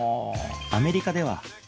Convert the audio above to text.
アメリカでは＃